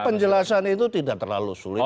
penjelasan itu tidak terlalu sulit